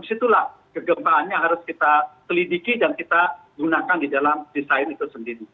disitulah kegempaannya harus kita telidiki dan kita gunakan di dalam desain itu sendiri